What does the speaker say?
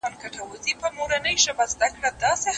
تا پټ کړی تر خرقې لاندي تزویر دی